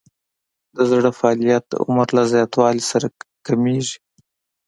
د زړه فعالیت د عمر له زیاتوالي سره کمیږي.